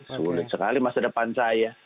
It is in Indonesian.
sulit sekali masa depan saya